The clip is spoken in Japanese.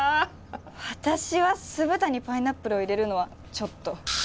私は酢豚にパイナップルを入れるのはちょっと。